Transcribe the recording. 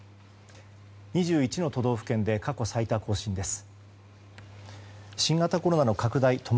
２１の都道府県で過去最多を更新です。